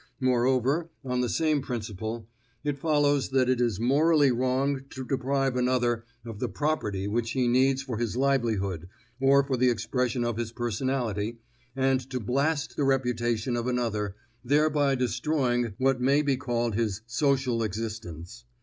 Moreover, on the same principle, it follows that it is morally wrong to deprive another of the property which he needs for his livelihood or for the expression of his personality, and to blast the reputation of another thereby destroying what may be called his social existence.